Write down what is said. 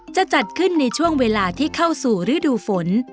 จะจัดขึ้นในช่วงเวลาที่เข้าสู่ฤดูฝน